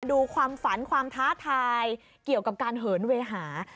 ดูความฝันความท้าทายเกี่ยวกับการเหินเวหา